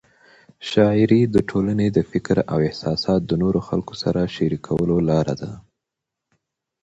شاعري د ټولنې د فکر او احساسات د نورو خلکو سره شریکولو لار ده.